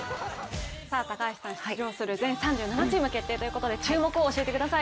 出場する全３７チーム決定ということで注目を教えてください。